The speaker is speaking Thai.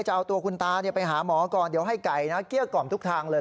จะเอาตัวคุณตาไปหาหมอก่อนเดี๋ยวให้ไก่นะเกลี้ยกล่อมทุกทางเลย